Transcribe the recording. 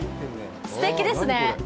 すてきですね。